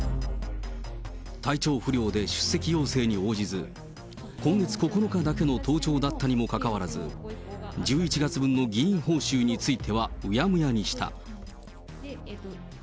体調不良で出席要請に応じず、今月９日だけの登庁だったにもかかわらず、１１月分の議員報酬についてはうやむやにした。